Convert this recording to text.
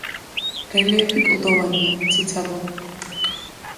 რელიეფი კლდოვანია, ციცაბო.